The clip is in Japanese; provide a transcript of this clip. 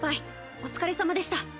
お疲れさまでした！